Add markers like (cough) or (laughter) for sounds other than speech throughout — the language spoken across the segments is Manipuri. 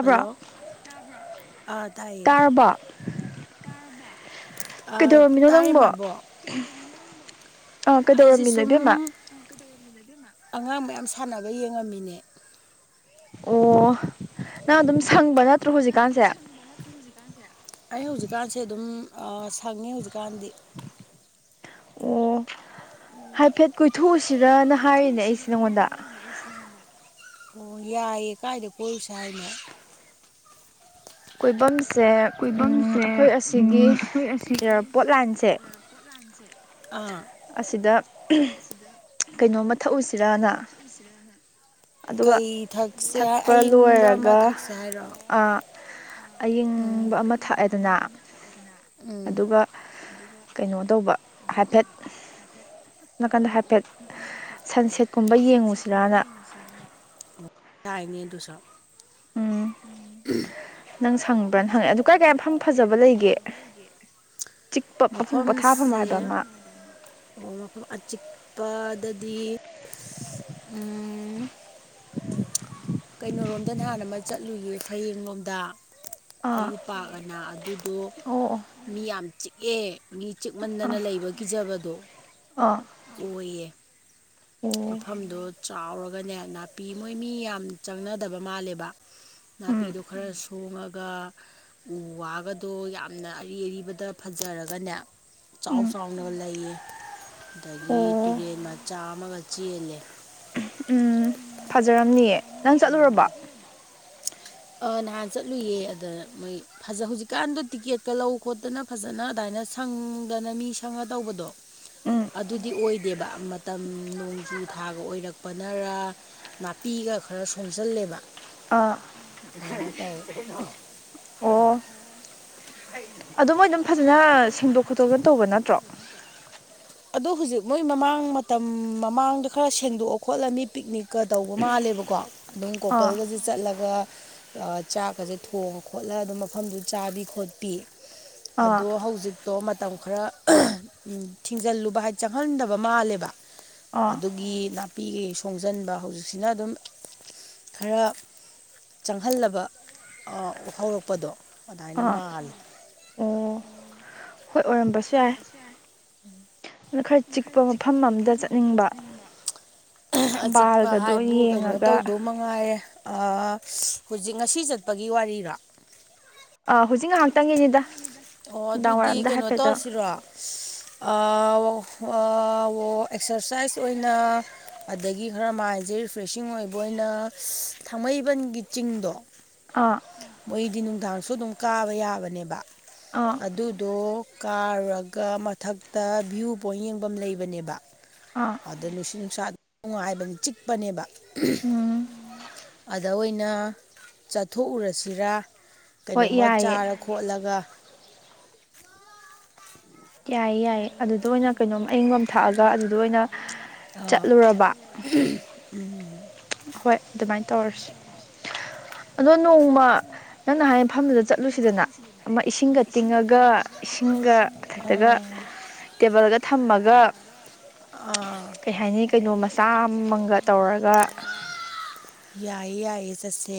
ꯍꯜꯂꯣ! ꯇꯕ꯭ꯔꯣ? ꯑꯥ ꯇꯥꯏꯌꯦ, ꯇꯔꯕꯣ? ꯇꯥꯔꯦ ꯃꯕꯣꯛ꯫ꯀꯩꯗꯧꯔꯝꯃꯤꯅꯣ ꯅꯪꯕꯣ? ꯑꯩꯁꯦ ꯁꯨꯝ ꯑꯉꯥꯡ ꯃꯌꯥꯝ ꯁꯥꯟꯅꯕ ꯌꯦꯡꯉꯝꯃꯤꯅꯦ꯫ ꯑꯣ ꯅꯪ ꯑꯗꯨꯝ ꯁꯪꯕ ꯅꯠꯇ꯭ꯔꯣ ꯍꯧꯖꯤꯛꯀꯥꯟꯁꯦ? ꯑꯩ ꯍꯧꯖꯤꯛꯀꯥꯟꯁꯦ ꯑꯗꯨꯝ ꯁꯪꯉꯤ ꯍꯧꯖꯤꯛꯀꯥꯟꯗꯤ꯫ ꯍꯥꯏꯐꯦꯠ ꯀꯣꯏꯊꯣꯛꯎꯁꯤꯔꯅ, ꯑꯣ ꯌꯥꯏꯌꯦ ꯀꯥꯏꯗ ꯀꯣꯏꯔꯨꯁꯦ ꯍꯥꯏꯅꯣ? ꯀꯣꯏꯕꯝꯁꯦ ꯑꯈꯣꯏ ꯑꯁꯤꯒꯤ ꯏꯌꯥꯔꯄꯣꯠ ꯂꯥꯏꯟꯁꯦ, ꯄ꯭ꯂꯥꯟꯖꯦ꯫ ꯑꯥ ꯑꯁꯤꯗ ꯀꯩꯅꯣꯝꯃ ꯊꯛꯎꯁꯤꯔꯅ꯫ ꯀꯩ ꯊꯛꯁꯦ ꯑꯏꯪꯕ ꯑꯃ ꯊꯛꯁꯦ ꯍꯥꯏꯔꯣ? ꯑꯌꯤꯡꯕ ꯑꯃ ꯊꯛꯑꯦꯗꯅ ꯑꯗꯨ ꯒ ꯀꯩꯅꯣ ꯇꯧꯕ ꯍꯥꯏꯐꯦꯠ ꯅꯥꯀꯟꯗ ꯍꯥꯏꯐꯦꯠ ꯁꯟꯁꯦꯠꯀꯨꯝꯕ ꯌꯦꯡꯉꯨꯁꯤꯔꯅ ꯑꯣ ꯌꯥꯥꯏꯅꯦ ꯑꯗꯨꯁꯨ ꯎꯝ ꯅꯪ ꯁꯪꯕ꯭ꯔꯥꯅ ꯍꯪꯉꯛꯑꯦ ꯑꯗꯨ ꯀꯥꯏ ꯀꯥꯏ ꯃꯐꯝ ꯐꯖꯕ ꯂꯩꯒꯦ ꯆꯤꯛꯄ ꯃꯐꯝ ꯄꯣꯊꯥꯐꯝ ꯍꯥꯏꯕ ꯑꯃ ꯑꯣ ꯃꯐꯝ ꯑꯆꯤꯛꯄꯗꯗꯤ ꯎꯝ ꯀꯩꯅꯣꯔꯣꯝꯗ ꯅꯍꯥꯟ ꯑꯃ ꯆꯠꯂꯨꯏꯌꯦ ꯐꯌꯦꯡ ꯂꯣꯝꯗ ꯍꯌꯨꯄꯥꯛꯑꯅ ꯑꯗꯨꯗꯣ ꯃꯤ ꯌꯥꯝ ꯆꯤꯛꯑꯦ ꯃꯤ ꯆꯤꯛꯃꯟꯗꯅ ꯂꯩꯕ ꯀꯤꯖꯕꯗꯣ ꯑꯥ ꯑꯣꯏꯌꯦ ꯃꯐꯝꯗꯣ ꯆꯥꯎꯔꯒꯅꯦ ꯅꯥꯄꯤ ꯃꯣꯏ ꯃꯤ ꯌꯥꯝ ꯆꯪꯅꯗꯕ ꯃꯥꯜꯂꯦꯕ ꯅꯥꯄꯤꯗꯣ ꯈꯔ ꯁꯣꯡꯉꯒ ꯎ ꯋꯥꯒꯗꯣ ꯌꯥꯝꯅ ꯑꯔꯤ ꯑꯔꯤꯕꯗ ꯐꯖꯔꯒꯅꯦ ꯆꯥꯎ ꯆꯥꯎꯅꯒ ꯂꯩꯌꯦ ꯑꯗꯒꯤ ꯇꯨꯔꯦꯟ ꯃꯆꯥ ꯑꯃꯒ ꯆꯦꯜꯂꯦ ꯎꯝ ꯐꯖꯔꯝꯅꯤꯌꯦ ꯅꯪ ꯆꯠꯂꯨꯔꯕꯣ ꯑꯥ ꯅꯍꯥꯟ ꯆꯠꯂꯨꯌꯦ ꯑꯗ ꯃꯣꯏ ꯐꯖ ꯍꯧꯖꯤꯛꯀꯥꯟꯗꯣ ꯇꯤꯛꯀꯦꯠꯀ ꯂꯧ ꯈꯣꯠꯇꯅ ꯐꯖꯅ ꯑꯗꯥꯏꯅ ꯁꯪꯗꯅ ꯃꯤ ꯁꯪꯉ ꯇꯧꯕꯗꯣ ꯑꯗꯨꯗꯤ ꯑꯣꯏꯗꯦꯕ ꯃꯇꯝ ꯅꯣꯡꯖꯨ ꯊꯥꯒ ꯑꯣꯏꯔꯛ__ ꯄꯅꯔꯥ ꯅꯥꯄꯤꯒ ꯈꯔ ꯁꯣꯡꯖꯜꯂꯦꯕ (unintelligible) ꯀꯩꯅꯣ ꯑꯣ ꯑꯣ ꯑꯗꯨ ꯃꯣꯏ ꯑꯗꯨꯝ ꯐꯖꯅ ꯁꯦꯡꯗꯣꯛ__ ꯁꯦꯡꯗꯣꯛ ꯄꯤꯇꯧꯗꯟ ꯇꯧꯕꯅꯦ (unintelligible) ꯑꯗꯣ ꯍꯧꯖꯤꯛ ꯃꯣꯏ ꯃꯃꯥꯡ ꯃꯇꯝ ꯃꯃꯥꯡꯗ ꯈꯔ ꯁꯦꯡꯗꯣꯛꯑ ꯈꯣꯠꯂ ꯃꯤ ꯄꯤꯛꯅꯤꯛ ꯀ ꯇꯧꯕ ꯃꯥꯜꯂꯦꯕꯀꯣ ꯑꯗꯨꯝ ꯀꯣꯄꯜꯒꯖꯦ ꯆꯠꯂꯒ ꯑꯥ ꯆꯥꯛꯀꯁꯦ ꯊꯣꯡꯉ ꯈꯣꯠꯂꯒ ꯑꯗꯨꯝ ꯃꯐꯝꯗꯨ ꯆꯥꯕꯤ ꯈꯣꯠꯄꯤ ꯑꯗꯣ ꯍꯧꯖꯤꯛ ꯇꯣ ꯃꯇꯝ ꯈꯔ ꯎꯝ ꯊꯤꯡꯖꯤꯜꯂꯨꯕ ꯍꯥꯏ ꯆꯪꯍꯟꯗꯕ ꯃꯥꯜꯂꯦꯕ ꯑꯗꯨꯒꯤ ꯅꯥꯄꯤ ꯀꯩꯀꯩ ꯁꯣꯡꯖꯟꯕ ꯍꯧꯖꯤꯛꯁꯤꯅ ꯑꯗꯨꯝ ꯈꯔ ꯆꯪꯍꯜꯂꯕ ꯑꯥ ꯍꯧꯔꯛꯄꯗꯣ ꯑꯗꯥꯏꯅ ꯃꯥꯜꯂꯦ ꯍꯣꯏ ꯑꯣꯏꯔꯝꯕꯁꯨ ꯌꯥꯏ ꯑꯗꯨ ꯈꯔ ꯆꯤꯛꯄ ꯃꯐꯝ ꯑꯝꯗ ꯆꯠꯅꯤꯡꯕ ꯊꯝꯕꯥꯜꯒꯗꯣ ꯌꯦꯡꯉꯒ ꯅꯨꯡꯉꯥꯏꯌꯦ ꯑꯥ ꯍꯧꯖꯤꯛ ꯉꯁꯤ ꯆꯠꯄꯒꯤ ꯋꯥꯔꯤꯔꯣ ꯑ ꯍꯧꯖꯤꯛ ꯉꯥꯏꯍꯥꯛꯇꯪꯒꯤꯅꯤꯗ ꯑꯣ ꯑꯗꯨꯗꯤ ꯀꯩꯅꯣ ꯇꯧꯋꯁꯤꯔꯣ ꯑꯥ ꯋꯣ ꯑꯥ ꯋꯣ ꯑꯦꯛꯁꯔꯁꯥꯏꯁ ꯑꯣꯏꯅ ꯑꯗꯒꯤ ꯈꯔ ꯃꯥꯏꯟꯁꯦ ꯔꯤꯐ꯭ꯔꯦꯁꯤꯡ ꯑꯣꯏꯕ ꯑꯣꯏꯅ ꯊꯥꯡꯃꯩꯕꯟꯒꯤ ꯆꯤꯡꯗꯣ ꯑꯥ ꯃꯣꯏꯗꯤ ꯅꯨꯡꯗꯥꯡꯁꯨ ꯑꯗꯨꯝ ꯀꯥꯕ ꯌꯥꯕꯅꯦꯕ ꯑꯥ ꯑꯗꯨꯗꯣ ꯀꯥꯔꯨꯔꯒ ꯃꯊꯛꯇ ꯚ꯭ꯌꯨ ꯄꯣꯏꯟ ꯌꯦꯡꯐꯝ ꯂꯩꯕꯅꯦꯕ ꯑꯥ ꯑꯗꯨꯗ ꯅꯨꯡꯁꯤꯠ ꯅꯨꯡꯁꯥ ꯅꯨꯡꯉꯥꯏꯕꯅꯦ ꯆꯤꯛꯄꯅꯦꯕ ꯑꯗ ꯑꯣꯏꯅ ꯆꯠꯊꯣꯛꯎꯔꯁꯤꯔꯥ ꯀꯩꯅꯣꯝꯃ ꯆꯥꯔ ꯈꯣꯠꯂꯒ ꯌꯥꯏꯌꯦ ꯌꯥꯏꯌꯦ ꯑꯗꯨꯗ ꯑꯣꯏꯅ ꯀꯩꯅꯣꯝ ꯑꯌꯤꯡꯕ ꯑꯃ ꯊꯛꯑꯒ ꯑꯗꯨꯗ ꯑꯣꯏꯅ ꯑꯥ ꯑꯍꯝ ꯎꯝ ꯍꯣꯏ ꯑꯗꯨꯃꯥꯏꯅ ꯇꯧꯔꯁꯤ ꯑꯗꯣ ꯅꯣꯡꯃ ꯅꯪꯅ ꯍꯥꯏ ꯃꯐꯝꯗꯨꯗ ꯆꯠꯂꯨꯁꯤꯗꯅ ꯑꯃ ꯏꯁꯤꯡꯒ ꯇꯤꯡꯉꯒ ꯏꯁꯤꯡꯒ ꯃꯊꯛꯇꯒ ꯇꯦꯕꯜꯒ ꯊꯝꯃꯒ ꯑꯥ ꯀꯩ ꯍꯥꯏꯅꯤ ꯀꯩꯅꯣ ꯃꯆꯥ ꯑꯃ ꯃꯪꯒ ꯇꯧꯔꯒ ꯌꯥꯏꯌꯦ ꯌꯥꯏꯌꯦ ꯆꯠꯁꯦ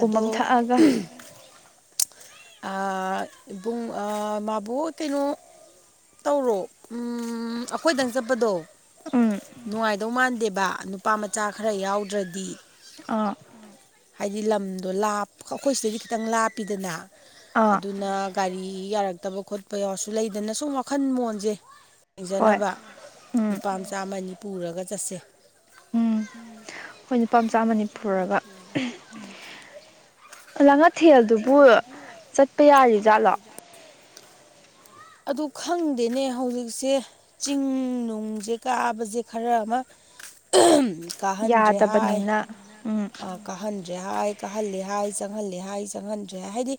ꯑꯗꯣ ꯑꯍꯝ ꯑꯥ ꯕꯨꯡ ꯑꯥ ꯃꯕꯨꯨ (unintelligible) ꯇꯧꯔꯣ ꯎꯝ ꯑꯩꯈꯣꯏꯗꯪ ꯆꯠꯄꯗꯣ ꯅꯨꯡꯉꯥꯏꯗꯧ ꯃꯥꯟꯗꯦꯕ ꯅꯨꯄꯥ ꯃꯆꯥ ꯈꯔ ꯌꯥꯎꯗ꯭ꯔꯗꯤ ꯑꯥ ꯍꯥꯏꯗꯤ ꯂꯝꯗꯣ ꯂꯥꯞ ꯑꯩꯈꯣꯏ ꯁꯤꯗꯩꯗꯤ ꯈꯤꯇꯪ ꯂꯥꯞꯄꯤꯗꯅ ꯑꯗꯨꯅ ꯒꯥꯔꯤ ꯌꯥꯔꯛꯇꯕ ꯈꯣꯠꯄ ꯌꯥꯎꯔꯁꯨ ꯂꯩꯗꯅ ꯁꯨꯝ ꯋꯥꯈꯜ ꯃꯣꯟꯁꯦ ꯌꯦꯤꯡꯖꯅꯕ ꯅꯨꯄꯥ ꯃꯆꯥ ꯑꯃ ꯑꯅꯤ ꯄꯨꯔꯒ ꯆꯠꯁꯦ ꯎꯝ ꯍꯣꯏ ꯅꯨꯄꯥ ꯃꯆꯥ ꯑꯃ ꯅꯤ ꯄꯨꯔꯒ ꯑꯍꯝ ꯂꯥꯡꯉꯊꯦꯜꯗꯨꯕꯨ ꯆꯠꯄ ꯌꯥꯔꯤꯖꯥꯠꯂꯣ ꯑꯗꯨ ꯈꯪꯗꯦꯅꯦ ꯍꯧꯖꯤꯛꯁꯦ ꯆꯤꯡ ꯅꯨꯡꯁꯦ ꯀꯥꯕꯁꯦ ꯈꯔ ꯑꯃ ꯑꯍꯝ ꯀꯥꯍꯟꯗ꯭ꯔꯦ ꯍꯥꯏ ꯑꯥ ꯀꯥꯍꯟꯗ꯭ꯔꯦ ꯍꯥꯏ ꯀꯥꯍꯜꯂꯤ ꯍꯥꯏ ꯍꯥꯏ ꯆꯪꯍꯜꯂꯤ ꯍꯥꯢ ꯆꯪꯍꯟꯗ꯭ꯔꯦ ꯍꯥꯢ ꯍꯥꯏꯗꯤ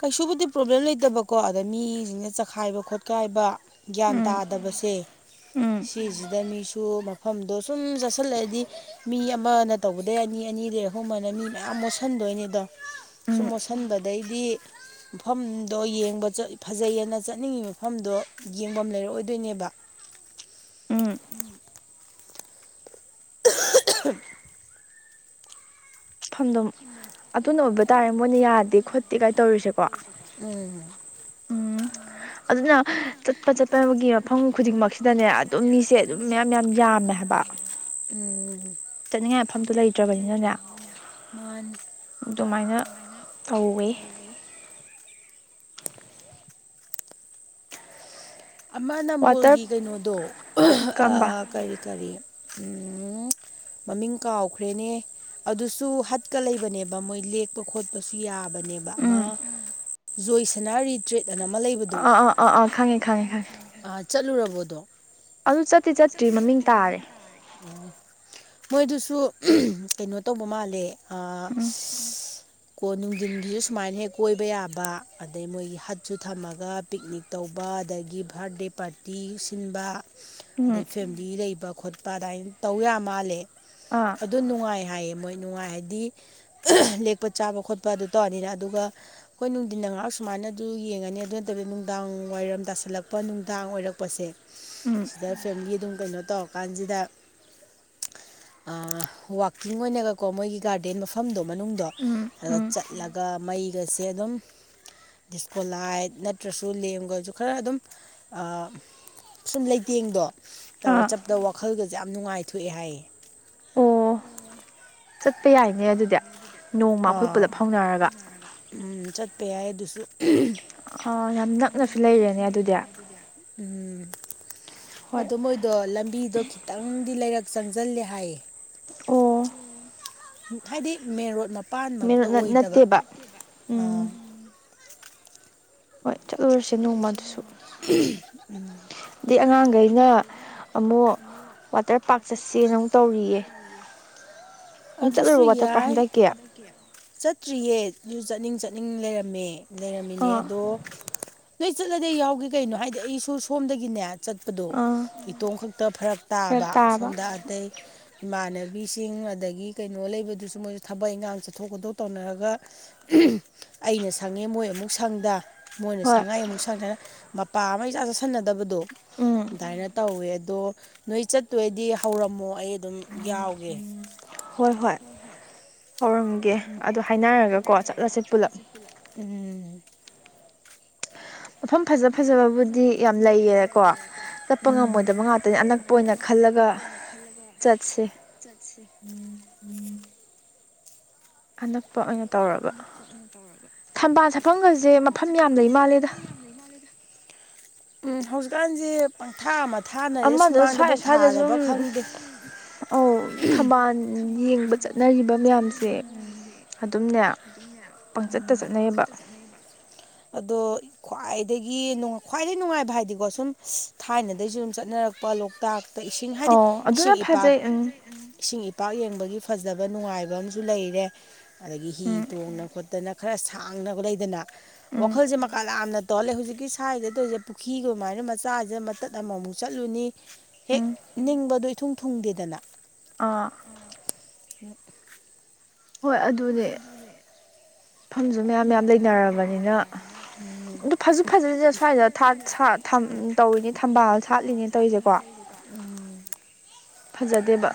ꯀꯩꯁꯨꯕꯨꯗꯤ ꯄ꯭ꯔꯣꯕ꯭ꯂꯦꯝ ꯂꯩꯇꯕꯀꯣ ꯑꯗ ꯃꯤꯁꯤꯡꯅ ꯆꯈꯥꯏꯕ ꯈꯣꯠꯀꯥꯏꯕ ꯒ꯭ꯌꯥꯟ ꯇꯥꯗꯕꯁꯦ ꯁꯤꯁꯤꯗ ꯃꯤꯁꯨ ꯃꯐꯝꯗꯣ ꯁꯨꯝ ꯆꯠꯁꯜꯂꯛꯑꯗꯤ ꯃꯤ ꯑꯃꯅ ꯇꯧꯕꯗꯩ ꯑꯅꯤ ꯑꯅꯤꯗꯩ ꯑꯍꯨꯝ ꯑꯅ ꯃꯤ ꯃꯌꯥꯝ ꯃꯣꯠꯁꯜ ꯃꯣꯠꯁꯟꯗꯣꯏꯅꯤꯗꯣ ꯁꯨꯝ ꯃꯣꯠꯁꯟꯕꯗꯩꯗꯤ ꯃꯐꯝꯗꯣ ꯌꯦꯡꯕ ꯆꯠ ꯐꯖꯩꯑꯅ ꯆꯠꯅꯤꯡꯉꯤ ꯃꯐꯝꯗꯣ ꯌꯦꯡꯐꯝ ꯂꯩꯔꯛꯑꯣꯏꯗꯣꯏꯅꯦꯕ ꯎꯝ (unintelligible) ꯃꯐꯝꯗꯨꯝ ꯑꯗꯨꯅ ꯑꯣꯏꯕ ꯇꯥꯔꯦ ꯃꯣꯏꯅ ꯌꯥꯗꯦ ꯈꯣꯠꯇꯦ ꯀꯥꯏ ꯇꯧꯔꯤꯁꯦꯀꯣ ꯎꯝ ꯑꯗꯨꯅ ꯆꯠ ꯀꯣꯏꯄ ꯆꯠꯄꯒꯤ ꯃꯐꯝ ꯈꯨꯗꯤꯡꯃꯛꯁꯤꯗꯅꯦ ꯑꯗꯨꯝ ꯃꯤꯁꯦ ꯑꯗꯨꯝ ꯃꯌꯥꯝ ꯌꯥꯝ ꯌꯥꯝꯃꯦ ꯍꯥꯏꯕ ꯎꯝ ꯆꯠꯅꯤꯡꯉꯥꯏ ꯃꯐꯝꯗꯨ ꯂꯩꯇ꯭ꯔꯕꯅꯤꯅꯅꯦ ꯃꯅꯤ ꯑꯗꯨꯃꯥꯢꯅ ꯇꯧꯋꯦ ꯑꯃ ꯅꯝꯕꯣꯜꯒꯤ ꯀꯩꯅꯣꯗꯣ ꯑꯍꯝ ꯑꯥ ꯀꯔꯤ ꯀꯔꯤ ꯎꯝ ꯃꯃꯤꯡ ꯀꯥꯎꯈ꯭ꯔꯦꯅꯦ ꯑꯗꯨꯁꯨ ꯍꯠꯀ ꯂꯩꯕꯅꯦꯕ ꯃꯣꯏ ꯂꯦꯛ ꯂꯦꯛꯄ ꯈꯣꯠꯄꯁꯨ ꯌꯥꯕꯅꯦꯕ ꯑꯃ ꯖꯣꯏꯁꯅꯥ ꯔꯤꯇ꯭ꯔꯤꯠ ꯑꯅ ꯑꯃ ꯂꯩꯕ ꯑꯥ ꯑꯥ ꯑꯥ ꯑꯥ ꯈꯪꯉꯦ ꯈꯪꯉꯦ ꯈꯪꯉꯦ ꯑꯥ ꯆꯠꯂꯨꯔꯕꯣ ꯗꯣ ꯑꯗꯨ ꯆꯠꯇꯤ ꯆꯠꯇ꯭ꯔꯤ ꯃꯃꯤꯡ ꯇꯥꯔꯦ ꯑꯣ ꯃꯣꯏꯗꯨꯁꯨ ꯀꯩꯅꯣ ꯇꯧꯕ ꯃꯥꯜꯂꯦ ꯑꯥ ꯁꯤ ꯀꯣ ꯅꯨꯡꯗꯤꯟꯒꯤꯖꯨ ꯁꯨꯃꯥꯏꯅ ꯍꯦꯛ ꯀꯣꯏꯕ ꯌꯥꯕ ꯑꯗꯩ ꯃꯣꯏꯒꯤ ꯍꯠꯁꯨ ꯊꯝꯃꯒ ꯄꯤꯛꯅꯤꯛ ꯇꯧꯕ ꯑꯗꯒꯤ ꯚꯥꯔꯗꯦ ꯄꯥꯔꯇꯤ ꯁꯤꯟꯕ ꯑꯗꯩ ꯐꯦꯝꯂꯤ ꯂꯩꯕ ꯈꯣꯠꯄ ꯑꯗꯥꯢ ꯇꯧ ꯌꯥ ꯃꯥꯜꯂꯦ ꯑꯥ ꯗꯣ ꯅꯨꯡꯉꯥꯏ ꯍꯥꯏꯌꯦ ꯃꯣꯏ ꯅꯨꯡꯉꯥꯏ ꯍꯥꯏꯗꯤ ꯂꯦꯛꯄ ꯆꯥꯕ ꯈꯣꯠꯄ ꯑꯗꯨ ꯇꯧꯔꯅꯤꯅ ꯑꯗꯨꯒ ꯈꯣꯏ ꯅꯨꯡꯗꯤꯟ ꯉꯥꯍꯥꯛ ꯁꯨꯃꯥꯏꯅ ꯑꯗꯨ ꯌꯦꯡꯉꯅꯤ ꯑꯗꯨ ꯅꯠꯇꯕꯤ ꯅꯨꯡꯗꯥꯡ ꯋꯥꯏꯔꯝ ꯇꯥꯁꯜꯂꯛꯄ ꯅꯨꯡꯗꯥꯡ ꯑꯣꯏꯔꯛ ꯄꯁꯦ ꯗ ꯐꯦꯝꯂꯤ ꯑꯗꯨꯝ ꯀꯩꯅꯣ ꯇꯧꯔꯀꯥꯟꯖꯤꯗ ꯑꯥ ꯋꯥꯛꯀꯤꯡ ꯑꯣꯏꯅꯒꯀꯣ ꯃꯣꯏꯒꯤ ꯒꯥꯔꯗꯦꯟ ꯃꯐꯝꯗꯣ ꯃꯅꯨꯡꯗꯣ ꯑꯗ ꯆꯠꯂꯒ ꯃꯩꯒꯁꯦ ꯑꯗꯨꯝ ꯗꯤꯁꯀꯣꯂꯥꯏꯠ ꯅꯠꯇ꯭ꯔꯁꯨ ꯂꯦꯝꯒꯖꯨ ꯈꯔ ꯑꯗꯨꯝ ꯑꯥ ꯁꯨꯝ ꯂꯩ ꯇꯦꯡꯗꯣ ꯇꯧꯔꯒ ꯆꯞꯄꯗ ꯋꯥꯈꯜꯒꯖꯦ ꯌꯥꯝ ꯅꯨꯡꯉꯥꯏꯊꯣꯛꯑꯦ ꯍꯥꯏꯌꯦ ꯑꯣ ꯆꯠꯄ ꯌꯥꯏꯅꯦ ꯑꯗꯨꯗꯤ ꯅꯣꯡꯃ ꯈꯣꯏ ꯄꯨꯂꯞ ꯍꯧꯎꯅꯔꯒ ꯎꯝ ꯆꯠꯄ ꯌꯥꯏ ꯑꯗꯨꯁꯨ ꯑꯥ ꯌꯥꯝ ꯅꯛꯅꯁꯨ ꯂꯩꯔꯦꯅꯦ ꯑꯗꯨꯗꯤ ꯎꯝ ꯑꯗꯣ ꯃꯣꯏꯗꯣ ꯂꯝꯕꯤꯗꯣ ꯈꯤꯇꯪꯗꯤ ꯂꯩꯔꯛ ꯆꯪꯖꯜꯂꯦ ꯍꯥꯏꯌꯦ ꯎꯝ ꯍꯥꯏꯗꯤ ꯃꯦꯟ ꯔꯣꯗ ꯃ ꯄꯥꯟꯃꯛꯇ ꯑꯣꯏꯗꯕ ꯅꯠꯇꯦꯕ ꯑꯥ ꯎꯝ ꯍꯣꯏ ꯆꯠꯂꯨꯔꯁꯦ ꯅꯣꯡꯃ ꯑꯗꯨꯁꯨ ꯗꯤ ꯑꯉꯥꯡꯒꯩꯅ ꯑꯃꯨꯛ ꯋꯥꯇꯔ ꯄꯥꯔꯛ (unintelligible) ꯑꯗꯨꯁꯨ ꯌꯥꯏ (unintelligible) ꯆꯠꯇ꯭ꯔꯤꯌꯦ ꯑꯗꯨ ꯆꯠꯅꯤꯡ ꯆꯠꯅꯤꯡ ꯂꯩꯔꯝꯃꯦ ꯂꯩꯔꯝꯃꯤꯅꯦ ꯑꯗꯣ ꯅꯣꯏ ꯆꯠꯂꯗꯤ ꯑꯩ ꯌꯥꯎꯒꯦ ꯀꯩꯅꯣ ꯍꯥꯏꯗꯤ ꯑꯩꯁꯨ ꯁꯣꯝꯗꯒꯤꯅꯦ ꯆꯠꯄꯗꯣ ꯏꯇꯣꯝ ꯈꯛꯇ ꯐꯔꯛ ꯇꯥꯕ ꯁꯣꯝꯗ ꯑꯇꯩ ꯏꯃꯥꯟꯅꯕꯤꯁꯤꯡ ꯑꯗꯒꯤ ꯀꯩꯅꯣ ꯂꯩꯕꯗꯨꯁꯨ ꯃꯣꯏꯁꯨ ꯊꯕꯛ ꯏꯪꯈꯥꯡ ꯆꯠꯊꯣꯛ ꯀꯣꯠꯊꯣꯛ ꯇꯧꯅꯔꯒ ꯑꯩꯅ ꯁꯪꯉꯦ ꯃꯣꯏ ꯑꯃꯨꯛ ꯁꯪꯗ ꯃꯣꯏꯅ ꯁꯪꯉ ꯑꯩ ꯑꯃꯨꯛ ꯁꯪꯗ ꯃꯄꯥ ꯑꯃ ꯏꯆꯥ ꯆꯥꯁꯟꯅꯗꯕꯗꯣ ꯑꯗꯨꯃꯥꯏꯅ ꯇꯧꯋꯦ ꯑꯗꯣ ꯅꯣꯏ ꯆꯠ ꯆꯠꯇꯣꯏꯗꯤ ꯍꯧꯔꯝꯃꯣ ꯑꯩ ꯑꯗꯨꯝ ꯌꯥꯎꯒꯦ ꯍꯣꯏ ꯍꯣꯏ ꯍꯧꯔꯝꯒꯦ ꯑꯗꯨ ꯍꯥꯏꯅꯔꯒꯀꯣ ꯆꯠꯂꯁꯤ ꯄꯨꯂꯞ ꯎꯝ ꯃꯐꯝ ꯐꯖ ꯐꯖꯕꯕꯨꯗꯤ ꯌꯥꯝ ꯂꯩꯌꯦꯀꯣ ꯆꯠꯄ ꯉꯝꯃꯣꯏꯗꯕ ꯉꯥꯛꯇꯅꯤ ꯑꯅꯛ ꯄꯣꯏꯅ ꯈꯜꯂꯒ ꯆꯠꯁꯤ ꯆꯠꯁꯤ ꯎꯝ ꯎꯝ ꯑꯅꯛꯄ ꯑꯣꯏꯅ ꯇꯧꯔꯕ ꯊꯝꯕꯥꯜ ꯁꯥꯠꯐꯝꯒꯖꯦ ꯃꯐꯝ ꯌꯥꯝ ꯂꯩ ꯃꯥꯜꯂꯦꯗ ꯌꯥꯝ ꯂꯩꯃꯥꯟꯂꯦꯗ ꯎꯝ ꯍꯧꯖꯤꯛꯀꯥꯟꯖꯦ ꯄꯪꯊꯥ ꯃꯊꯥꯅꯩꯌꯦ ꯁꯨꯃꯥꯡꯗꯕꯧ ꯊꯥꯔꯕ ꯈꯪꯗꯦ ꯑꯧ ꯊꯝꯕꯥꯜ ꯌꯦꯡꯕ ꯆꯠꯅꯔꯤꯕ ꯃꯌꯥꯝꯁꯦ ꯑꯗꯨꯝꯅꯦ ꯄꯪꯆꯠꯇ ꯆꯠꯅꯩꯌꯦꯕ ꯑꯗꯣ ꯈ꯭ꯋꯥꯏꯗꯒꯤ ꯅꯨꯡ ꯈ꯭ꯋꯥꯏꯗꯒꯤ ꯅꯨꯡꯉꯥꯏꯕ ꯍꯥꯏꯗꯤꯀꯣ ꯁꯨꯝ ꯊꯥꯏꯅꯗꯩꯖꯨ ꯑꯗꯨꯨꯝ ꯆꯠꯅꯔꯛꯄ ꯂꯣꯛꯇꯥꯛ ꯏꯁꯤꯡ ꯍꯥꯏꯗꯤ ꯏꯁꯤꯡ ꯏꯄꯥꯛ ꯏꯁꯤꯡ ꯏꯄꯥꯛ ꯌꯦꯡꯕꯒꯤ ꯐꯖꯕ ꯅꯨꯡꯉꯥꯏꯕ ꯑꯃꯖꯨ ꯂꯩꯔꯦ ꯑꯗꯒꯤ ꯍꯤ ꯇꯣꯡꯅ ꯈꯔ ꯁꯥꯡꯅ ꯂꯩꯗꯅ ꯋꯥꯈꯜꯁꯦ ꯃꯀꯥ ꯂꯝꯅ ꯇꯧꯂꯩ ꯍꯧꯖꯤꯛꯀꯤ ꯁ꯭ꯋꯥꯏꯗ ꯇꯧꯣꯏꯖꯦ ꯄꯨꯈ꯭ꯔꯤꯒꯨꯃꯥꯏꯅ ꯃꯆꯥꯖꯤꯗ ꯃꯇꯠ ꯑꯃꯃꯨꯛ ꯆꯠꯂꯨꯅꯤ ꯍꯦꯛ ꯅꯤꯡꯕꯗꯣ ꯏꯊꯨꯡ ꯊꯨꯡꯗꯦꯗꯅ ꯑ ꯍꯣꯏ ꯑꯗꯨꯅꯦ ꯃꯐꯝꯁꯨ ꯃꯌꯥꯝ ꯌꯥꯝ ꯂꯩꯅꯔꯕꯅꯤꯅ ꯑꯗꯨ ꯐꯖꯨ ꯐꯖꯗꯦ ꯁ꯭ꯋꯥꯏꯗ ꯊꯥ ꯁꯥꯠ ꯊꯝ ꯇꯧꯔꯤꯅꯦ ꯊꯝꯕꯥꯜ ꯁꯥꯠꯂꯤꯅꯦ ꯇꯧꯔꯤꯁꯦꯀꯣ ꯎꯝ ꯐꯖꯗꯦꯕ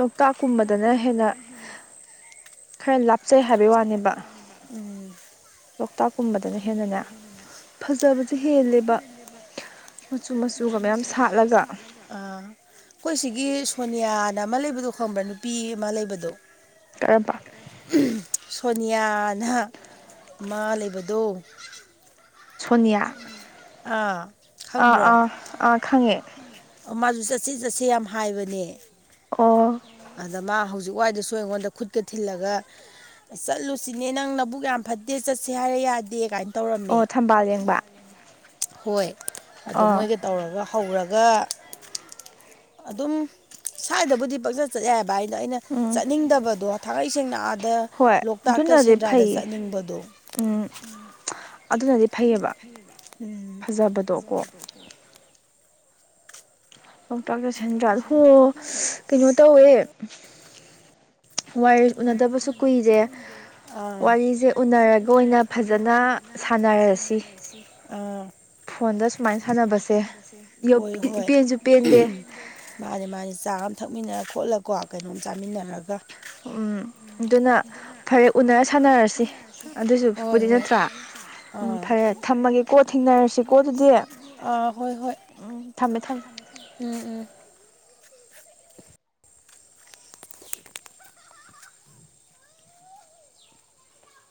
ꯂꯣꯛꯇꯥꯛꯀꯨꯝꯕꯗꯅ ꯍꯦꯟꯅ (unintelligible) ꯂꯣꯛꯇꯥꯛꯀꯨꯝꯕꯗꯅ ꯍꯦꯟꯅꯅꯦ ꯐꯖꯕꯖꯦ ꯍꯦꯜꯂꯦꯕ ꯃꯆꯨ ꯃꯆꯨꯒ ꯃꯌꯥꯝ ꯁꯥꯠꯂꯒ ꯑꯥ ꯑꯩꯈꯣꯏ ꯁꯤꯒꯤ ꯁꯣꯅꯤꯌꯥꯅ ꯑꯃ ꯂꯩꯕꯗꯣ ꯈꯪꯕ꯭ꯔꯥ ꯅꯨꯄꯤ ꯑꯃ ꯂꯩꯕꯗꯣ ꯀꯔꯝꯕ ꯁꯣꯅꯤꯌꯥꯅ ꯑꯃ ꯂꯩꯕꯗꯣ ꯁꯣꯅꯤꯌꯥ ꯑꯥ ꯑꯥ ꯑꯥ ꯈꯪꯉꯦ ꯃꯥꯖꯨ ꯆꯠꯁꯦ ꯆꯠꯁꯦ ꯌꯥꯝ ꯍꯥꯏꯕꯅꯦ ꯑꯣ ꯑꯗ ꯃꯥ ꯍꯧꯖꯤꯛ ꯋꯥꯏꯗꯁꯨ ꯑꯩꯉꯣꯟꯗ ꯈꯨꯠꯀ ꯊꯤꯜꯂꯒ ꯑ ꯆꯠꯂꯨꯁꯤꯅꯦ ꯅꯪ ꯅꯕꯨꯛ ꯌꯥꯝ ꯐꯠꯇꯦ ꯆꯠꯁꯦ ꯍꯥꯏꯔ ꯌꯥꯗꯦꯒꯥꯏ ꯇꯧꯔꯝꯃꯦ ꯊꯝꯕꯥꯜ ꯌꯦꯡꯕ ꯍꯣꯏ ꯑꯗꯣ ꯃꯣꯏꯒ ꯇꯧꯔꯒ ꯍꯧꯔꯒ ꯑꯗꯨꯝ ꯁ꯭ꯋꯥꯏꯗꯕꯨꯗꯤ ꯄꯪꯆ ꯆꯠꯌꯥꯏꯕ ꯑꯩꯅ ꯑꯩꯅ ꯆꯠꯅꯤꯡꯗꯕꯗꯣ ꯊꯥꯡꯉꯩ ꯁꯦꯡꯅ ꯑꯗ ꯂꯣꯛꯇꯥꯛꯇ ꯁꯦꯟꯗ꯭ꯔꯥꯗ ꯆꯠꯅꯤꯡꯕꯗꯣ ꯎꯝ ꯑꯗꯨꯅꯗꯤ (unintelligible) ꯎꯝ ꯂꯥꯎꯇꯥꯛ ꯇ ꯁꯦꯟꯗ꯭ꯔꯥꯗ ꯍꯣ ꯀꯩꯅꯣ ꯇꯧꯋꯦ ꯋꯥꯔꯤ ꯎꯅꯗꯕꯁꯨ ꯀꯨꯏꯔꯦ ꯋꯥꯔꯤꯖꯦ ꯎꯅꯔꯒ ꯑꯣꯏꯅ (unintelligible) ꯑꯥ ꯍꯣꯏ ꯍꯣꯏ ꯃꯥꯅꯦ ꯃꯥꯅꯦ ꯆꯥ ꯑꯃ ꯊꯛꯃꯤꯟꯅꯔ ꯈꯣꯠꯂꯀꯣ ꯀꯩꯅꯣꯝ ꯆꯥꯃꯤꯟꯅꯔꯒ ꯎꯝ ꯑꯗꯨꯅ ꯐꯔꯦ ꯎꯅꯔ ꯁꯥꯟꯅꯔꯁꯤ ꯑꯗꯨꯁꯨꯕꯨꯗꯤ ꯅꯠꯇ꯭ꯔꯥ ꯎꯝ ꯐꯔꯦ ꯊꯝꯃꯒꯦꯀꯣ ꯊꯦꯡꯅꯔꯁꯤꯀꯣ ꯑꯗꯨꯗꯤ ꯎꯝ ꯊꯝꯃꯦ ꯊꯝꯃꯦ (inaudible) ꯎꯝ ꯎꯝ (inaudible)